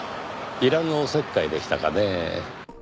いらぬおせっかいでしたかねぇ。